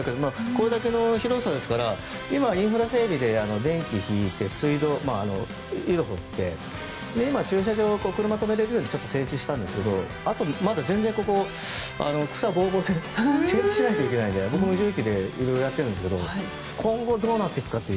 これだけの広さですから今、インフラ整備で電気を引いて水道、井戸を掘って今、駐車場車を止められるように整地したんですけどあとまだ全然ここ草がぼうぼうで整地しなきゃいけないので僕も重機で色々やってるんですが今後、どうなっていくかと。